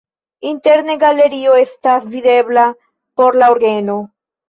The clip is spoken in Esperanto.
Interne galerio estas videbla por la orgeno.